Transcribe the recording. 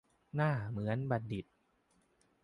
หน้าเหมือนบัณฑิต